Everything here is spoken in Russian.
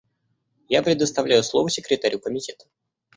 Я предоставляю слово секретарю Комитета.